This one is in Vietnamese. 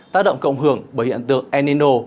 tác động cộng hưởng bởi hiện tượng enino